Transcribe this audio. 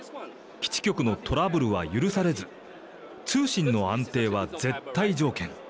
基地局のトラブルは許されず通信の安定は絶対条件。